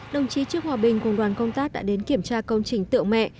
đồng chí trương hòa bình cùng đoàn công tác đã đến kiểm tra công trình tượng mẹ